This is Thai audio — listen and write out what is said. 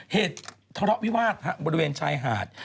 เหตุทะเลาะวิวาสบริเวณชายหาด